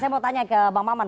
saya mau tanya ke bang maman